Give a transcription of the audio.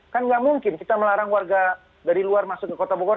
kan nggak mungkin kita melarang warga dari luar masuk ke kota bogor